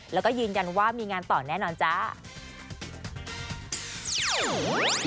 แล้วก็ยืนยันว่ามีงานต่อแน่นอนจ้า